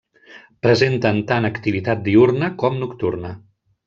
Presenten tant activitat diürna com nocturna.